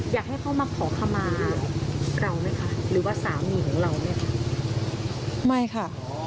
อยากให้เขามาขอคำมาเราไหมคะหรือว่าสามีของเราไหมคะ